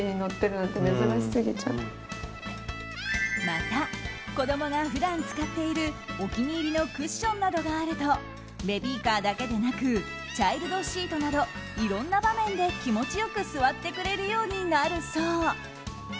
また、子供が普段使っているお気に入りのクッションなどがあるとベビーカーだけでなくチャイルドシートなどいろんな場面で気持ちよく座ってくれるようになるそう。